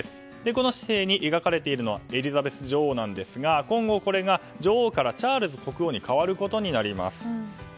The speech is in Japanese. この紙幣に描かれているのはエリザベス女王ですが今後これは女王からチャールズ国王に代わることになります。